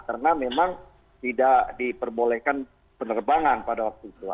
karena memang tidak diperbolehkan penerbangan pada waktu itu